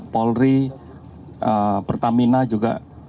polri pertamina juga